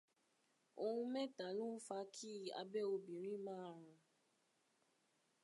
Ohun méta ló ń fa kí abẹ́ obìnrin ma rùn.